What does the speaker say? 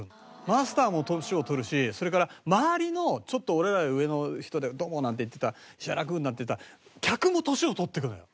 マスターも年をとるしそれから周りのちょっと俺らより上の人で「どうも」なんて言ってた「石原君」なんて言ってた客も年をとっていくのよ。